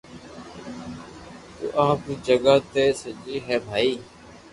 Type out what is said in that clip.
تو آپ ري جگھ تي سڄي ھي بائي